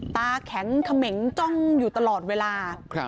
ตาแข็งเขม่งจ้องอยู่ตลอดเวลา